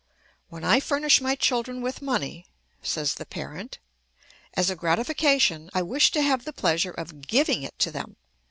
"When I furnish my children with money," says the parent, "as a gratification, I wish to have the pleasure of giving it to them.